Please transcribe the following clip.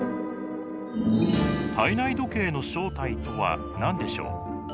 体内時計の正体とは何でしょう？